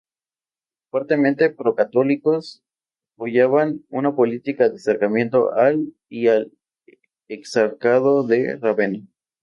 Fuertemente pro católicos, apoyaban una política de acercamiento al y al Exarcado de Rávena.